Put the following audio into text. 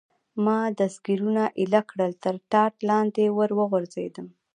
ما دستګیرونه ایله کړل، تر ټاټ لاندې ور وغورځېدم.